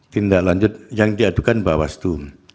tindak lanjut yang diadukan bawaslu